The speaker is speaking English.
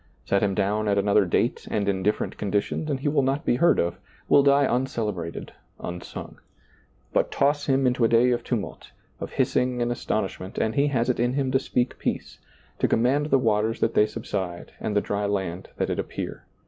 Set him down at another date and in different conditions and he will not be heard of — will die uncelebrated, unsung. But toss him into a day of tumult, of hissing and astonish ment, and he has it in him to speak peace, to command the waters that they subside and the dry land that it appear.